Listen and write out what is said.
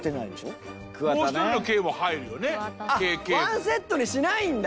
ワンセットにしないんだ。